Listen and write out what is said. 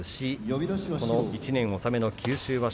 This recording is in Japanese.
１年納めの九州場所